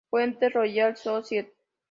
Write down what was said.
Fuente: Royal Society